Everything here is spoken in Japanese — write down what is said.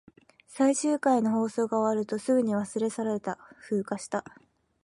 最終回の放送が終わると、すぐに忘れ去られた。風化した。